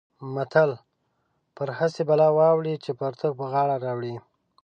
متل: پر هسې بلا واوړې چې پرتوګ پر غاړه راوړې.